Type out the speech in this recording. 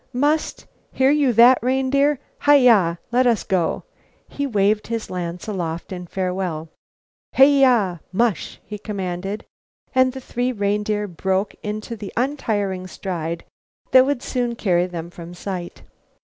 "Must hear you that, reindeer. Heya! let us go!" He waved his lance aloft in farewell. "Heya mush!" he commanded, and the three reindeer broke into the untiring stride that would soon carry them from sight.